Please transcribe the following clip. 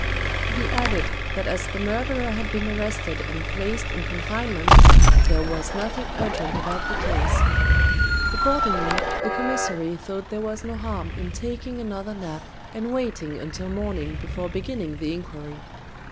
He added that as the murderer had been arrested and placed in confinement, there was nothing urgent about the case. Accordingly, the commissary thought there was no harm in taking another nap and waiting until morning before beginning the inquiry.